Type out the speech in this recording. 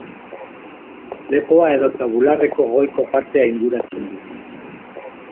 Lepoa edota bularretako goiko partea inguratzen du.